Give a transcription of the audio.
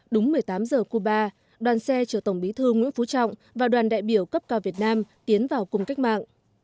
đúng một mươi tám giờ cuba đoàn xe chở tổng bí thư nguyễn phú trọng và đoàn đại biểu cấp cao việt nam tiến vào cung cách mạng